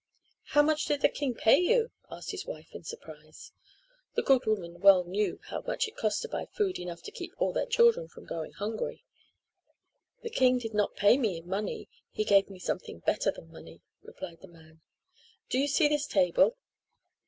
"How much did the king pay you?" asked his wife in surprise. The good woman well knew how much it cost to buy food enough to keep all their children from going hungry. "The king did not pay me in money. He gave me something better than money," replied the man. "Do you see this table?